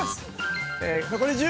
残り１０！